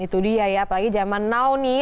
itu dia ya apalagi zaman now nih